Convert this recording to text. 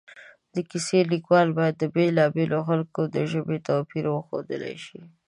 د کیسې لیکوال باید د بېلا بېلو خلکو د ژبې توپیر وښودلی شي